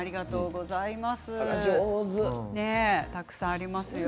たくさんありますよ。